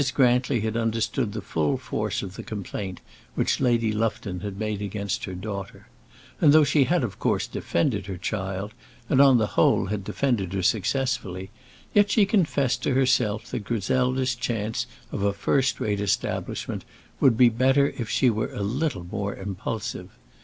Grantly had understood the full force of the complaint which Lady Lufton had made against her daughter; and though she had of course defended her child, and on the whole had defended her successfully, yet she confessed to herself that Griselda's chance of a first rate establishment would be better if she were a little more impulsive.